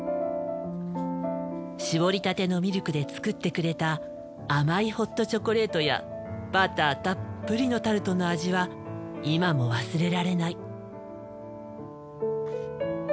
搾りたてのミルクで作ってくれた甘いホットチョコレートやバターたっぷりのタルトの味は今も忘れられない。